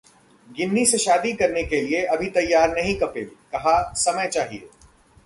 गिन्नी से शादी करने के लिए अभी तैयार नहीं हैं कपिल, कहा- समय चाहिए